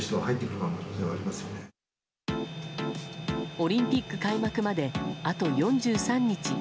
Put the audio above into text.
オリンピック開幕まであと４３日。